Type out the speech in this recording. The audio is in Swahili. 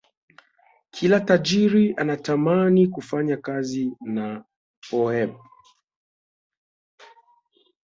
Kila tajiri anatamani kufanya kazi na poep